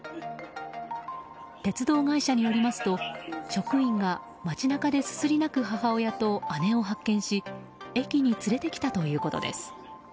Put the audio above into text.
鉄道会社によりますと職員が、街中ですすり泣く母親と姉を発見し駅に連れてきたということです。